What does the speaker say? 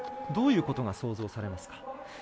どういうことが想像されますか。